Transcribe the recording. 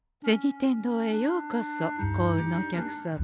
天堂へようこそ幸運のお客様。